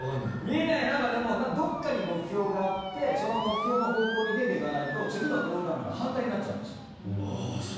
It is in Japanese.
見えない中でもどこかに目標があってその目標の方向に出ていかないと次のプログラムが反対になっちゃうんです。